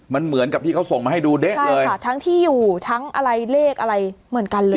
มันเหมือนกับที่เขาส่งมาให้ดูเด๊ะเลยค่ะทั้งที่อยู่ทั้งอะไรเลขอะไรเหมือนกันเลย